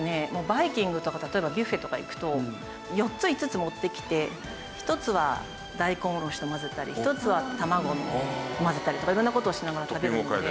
バイキングとか例えばビュッフェとか行くと４つ５つ持ってきて１つは大根おろしと混ぜたり１つは卵と混ぜたりとか色んな事をしながら食べるので。